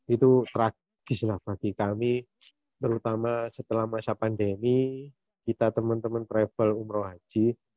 itu tragis lah bagi kami terutama setelah masa pandemi kita teman teman travel umroh haji